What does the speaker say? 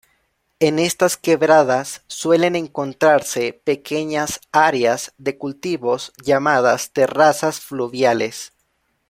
En estas quebradas suelen encontrarse pequeñas áreas de cultivos llamadas terrazas fluviales.